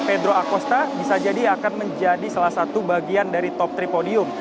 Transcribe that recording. pedro acosta bisa jadi akan menjadi salah satu bagian dari top tiga podium